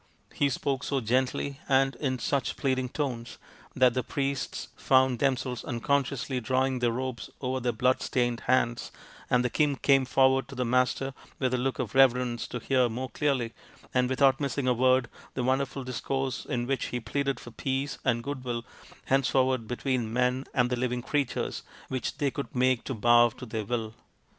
He spoke so gently and in such pleading tones that the priests found themselves unconsciously drawing their robes over their blood stained hands, and the king came forward to the Master with a look of reverence to hear more clearly, and without missing a word, the wonderful discourse in which he pleaded for peace and goodwill henceforward between men and the living creatures which they could make to bow to their will.